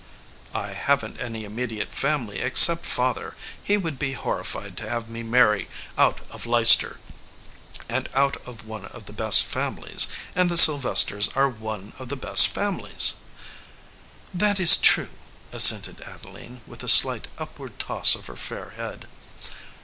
"I haven t any immediate family except Father. He would be horrified to have me marry out of Leicester, and out of one of the best families, and the Sylvesters are one of the best families." "That is true," assented Adeline, with a slight upward toss of her fair head.